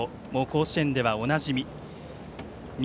甲子園ではおなじみ。